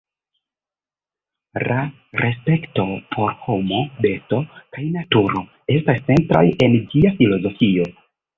La respekto por homo, besto kaj naturo estas centraj en ĝia filozofio.